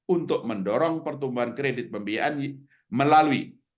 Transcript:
untuk mendorong pertumbuhan kredit pembiayaan melalui